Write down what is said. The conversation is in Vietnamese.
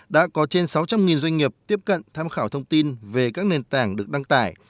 đã có trên sáu trăm linh doanh nghiệp tiếp cận tham khảo thông tin về các nền tảng được đăng tải